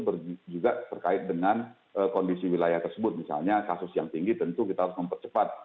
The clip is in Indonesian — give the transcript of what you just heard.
juga terkait dengan kondisi wilayah tersebut misalnya kasus yang tinggi tentu kita harus mempercepat